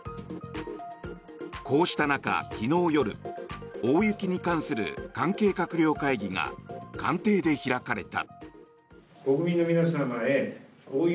こうした中、昨日夜大雪に関する関係閣僚会議が官邸で開かれた。